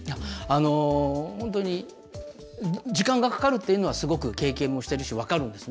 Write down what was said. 時間がかかるというのはすごく、経験もしているし分かるんですね。